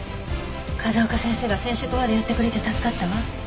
風丘先生が染色までやってくれて助かったわ。